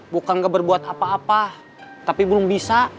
bukan nggak berbuat apa apa tapi belum bisa